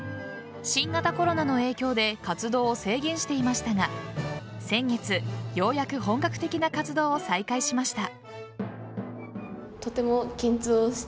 新型コロナの影響で活動を制限していましたが先月、ようやく本格的な活動を再開しました。